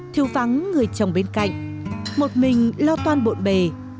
thiêu vắng người chồng bên cạnh một mình lo toan bộn bề